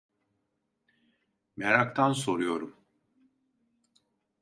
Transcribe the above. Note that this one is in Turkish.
Meraktan soruyorum.